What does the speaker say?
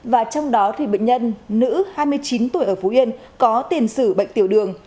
và trong đó thì bệnh nhân nữ hai mươi chín tuổi ở phú yên có tiền sử bệnh tiểu đường